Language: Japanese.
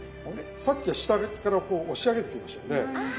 さっきは下からこう押し上げてきましたよね。